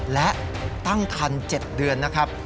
และตั้งคัน๗เดือนนะครับ